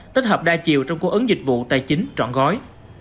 tích hợp đa chiều trong cung ứng dịch vụ tài chính trọn gói